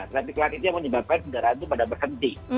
traffic light itu yang menyebabkan kendaraan itu pada berhenti